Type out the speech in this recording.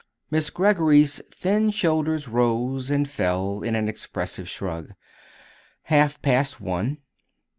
Miss Greggory's thin shoulders rose and fell in an expressive shrug. "Half past one."